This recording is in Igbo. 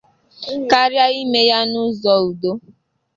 karịa ime ya n'ụzọ udo